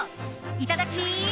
いただき！